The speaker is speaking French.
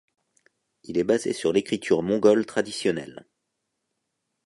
Il est basé sur l'écriture mongole traditionnelle.